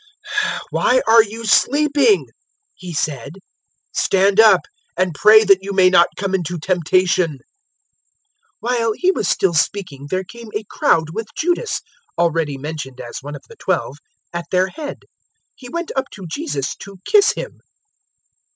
022:046 "Why are you sleeping?" He said; "stand up; and pray that you may not come into temptation." 022:047 While He was still speaking there came a crowd with Judas, already mentioned as one of the Twelve, at their head. He went up to Jesus to kiss Him.